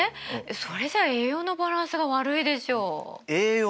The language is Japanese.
それじゃ栄養のバランスが悪いでしょ。